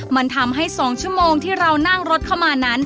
มันทำให้๒ชั่วโมงที่เรานั่งรถเข้ามานั้น